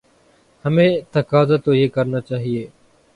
ہمیں تقاضا تو یہ کرنا چاہیے۔